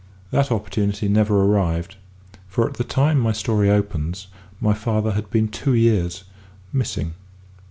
That opportunity never arrived, for at the time my story opens, my father had been two years "missing."